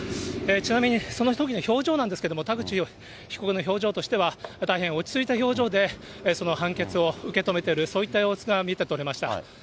ちなみにそのときの表情なんですけど、田口被告の表情としては、大変落ち着いた表情で、その判決を受け止めている、そういった様子が見て取れました。